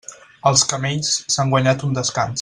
Els camells s'han guanyat un descans.